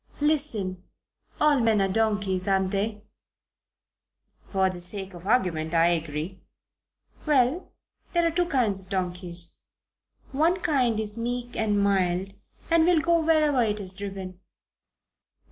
"Listen. All men are donkeys, aren't they?" "For the sake of argument, I agree." "Well there are two kinds of donkeys. One kind is meek and mild and will go wherever it is driven.